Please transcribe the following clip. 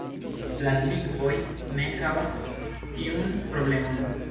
Planlingvoj ne havas tiun problemon.